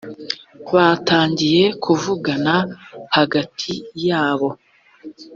batangiye kuvugana hagati yabo